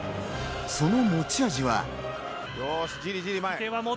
その持ち味は。